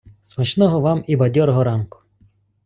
Смачного вам і бадьорого ранку!